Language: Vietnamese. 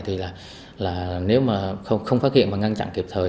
thì là nếu mà không phát hiện và ngăn chặn kịp thời